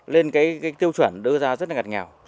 lên cái tiêu chuẩn đưa ra rất là ngặt nghèo